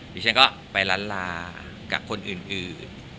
ดิฉันก็ไปล้านลากับคนอื่น